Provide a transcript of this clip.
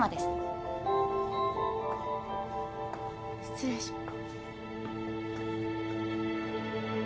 失礼しま。